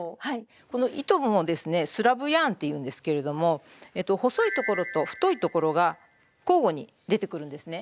この糸もですね「スラブヤーン」っていうんですけれども細いところと太いところが交互に出てくるんですね。